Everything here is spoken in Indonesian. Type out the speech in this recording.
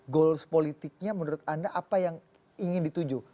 goals politiknya menurut anda apa yang ingin dituju